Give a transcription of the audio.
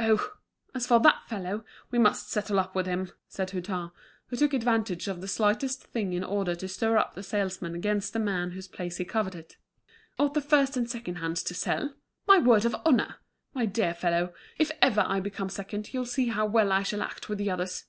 "Oh! as for that fellow, we must settle up with him," said Hutin, who took advantage of the slightest thing in order to stir up the salesmen against the man whose place he coveted. "Ought the first and second hands to sell? My word of honour! my dear fellow, if ever I become second you'll see how well I shall act with the others."